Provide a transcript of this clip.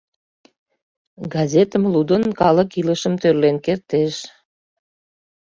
Газетым лудын, калык илышым тӧрлен кертеш.